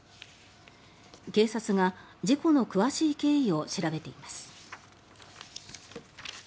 警察が事故の詳しい経緯を調べています。